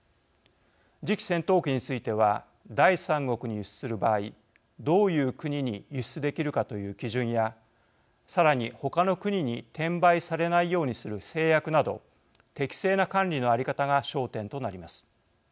次期戦闘機については第三国に輸出する場合どういう国に輸出できるかという基準やさらに他の国に転売されないようにする誓約など適正な管理の在り方が焦点となります。